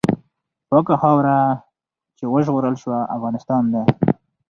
پاکه خاوره چې وژغورل سوه، افغانستان دی.